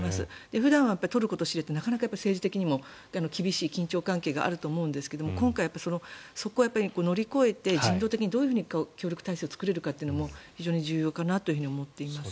普段はトルコとシリアってなかなか政治的にも厳しい緊張関係があると思うんですが今回はそこを乗り越えて人道的にどう協力体制を作れるかが非常に重要かなと思っています。